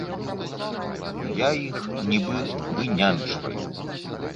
Я іх нібы вынянчваю.